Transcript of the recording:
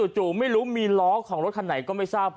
จู่ไม่รู้มีล้อของรถคันไหนก็ไม่ทราบ